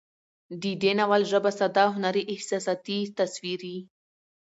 د دې ناول ژبه ساده، هنري، احساساتي، تصويري